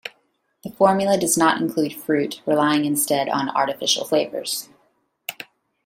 The formula does not include fruit, relying instead on artificial flavors.